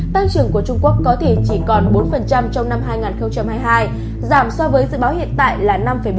tăng trưởng của trung quốc có thể chỉ còn bốn trong năm hai nghìn hai mươi hai giảm so với dự báo hiện tại là năm bốn